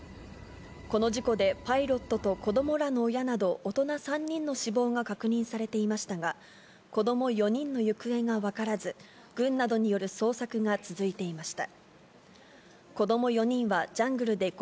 この事故でパイロットと子どもらの親など、大人３人の死亡が確認されていましたが、子ども４人の行方がわからず、軍などによる捜索が続いていました。